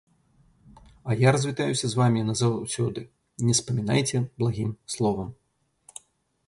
А я развітаюся з вамі назаўсёды, не спамінайце благім словам.